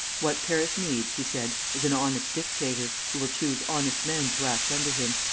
"What Paris needs," he said, "is an honest dictator, who will choose honest men to act under him.